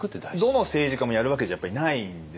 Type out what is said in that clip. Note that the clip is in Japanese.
どの政治家もやるわけじゃないんですよ。